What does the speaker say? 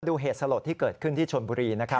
เหตุสลดที่เกิดขึ้นที่ชนบุรีนะครับ